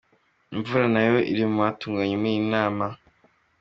Imvura nayo iri mu byatunguranye muri iyi nama.